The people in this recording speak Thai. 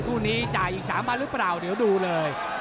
คู่นี้จ่ายอีก๓๐๐หรือเปล่าเดี๋ยวดูเลย